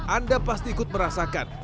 anda pasti ikut merasakan